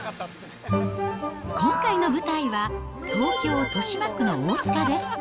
今回の舞台は東京・豊島区の大塚です。